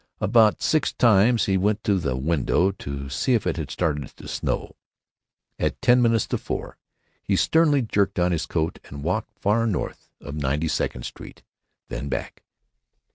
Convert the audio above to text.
About six times he went to the window to see if it had started to snow. At ten minutes to four he sternly jerked on his coat and walked far north of Ninety second Street, then back.